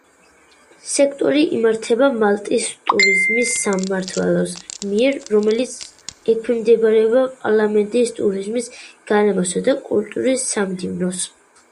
სექტორი იმართება მალტის ტურიზმის სამმართველოს მიერ, რომელიც ექვემდებარება პარლამენტის ტურიზმის, გარემოსა და კულტურის სამდივნოს.